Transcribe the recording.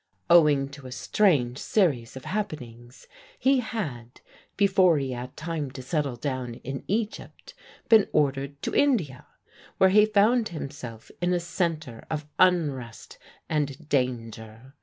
Owing to a strange series of happenings, he had, before he had time to settle down in Egypt, been ordered to India, where he found himself in a centre of unrest and danger.